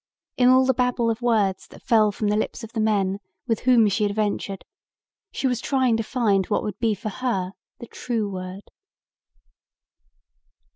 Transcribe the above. In all the babble of words that fell from the lips of the men with whom she adventured she was trying to find what would be for her the true word.